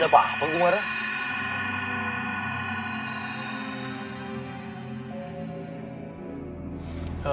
apa yang kamu lakukan